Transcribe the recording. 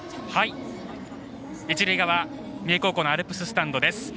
一塁側、三重高校のアルプススタンドです。